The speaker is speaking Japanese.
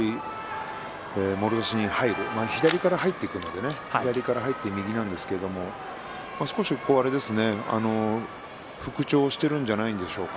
もろ差しに入る左から入っていくので左から入って右なんですけれども少し復調しているんじゃないでしょうか。